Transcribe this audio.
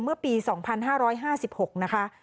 เมื่อปี๒๕๕๖นะคะ